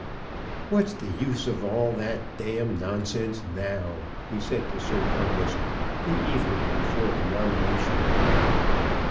"What's the use of all that d d nonsense, now?" he said to Sir Thomas the evening before the nomination day.